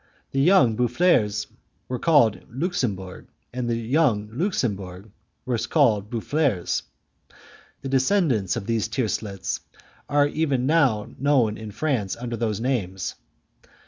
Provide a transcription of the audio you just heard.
The young Boufflers were called Luxembourg, and the young Luxembourg were called Boufflers. The descendants of those tiercelets are even now known in France under those names.